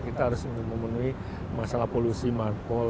kita harus memenuhi masalah polusi markol